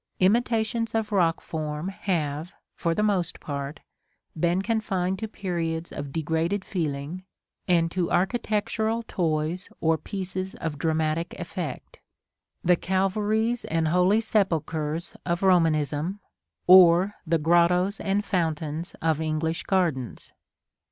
Imitations of rock form have, for the most part, been confined to periods of degraded feeling and to architectural toys or pieces of dramatic effect, the Calvaries and holy sepulchres of Romanism, or the grottoes and fountains of English gardens.